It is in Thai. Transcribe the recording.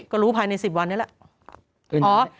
ก็รู้ภายใน๑๐วันนี้แหละ